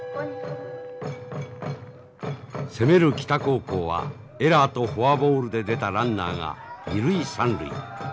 攻める北高校はエラーとフォアボールで出たランナーが二塁三塁。